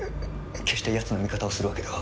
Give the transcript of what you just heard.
決してヤツの味方をするわけでは。